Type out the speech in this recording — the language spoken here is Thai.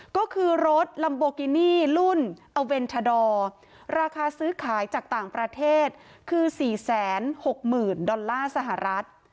ก็คือรถลัมโบกินี่รุ่นอเวนทาดอร์ราคาซื้อขายจากต่างประเทศคือ๔๖๐๐๐ดอลลาร์สหรัฐ